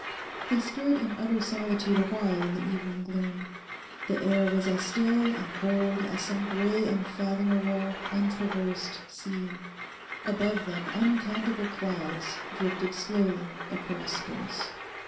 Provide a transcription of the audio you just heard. They stood in utter solitude awhile in the evening gloom. The air was as still and cold as some grey unfathomable untraversed sea. Above them uncountable clouds drifted slowly across space.